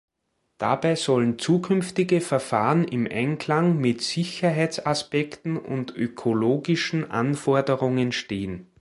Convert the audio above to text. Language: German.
Dabei sollen zukünftige Verfahren im Einklang mit Sicherheitsaspekten und ökologischen Anforderungen stehen.